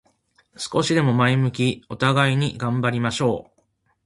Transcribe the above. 少しでも前を向き、互いに頑張りましょう。